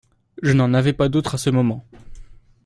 Je n'en avais pas d'autre à ce moment.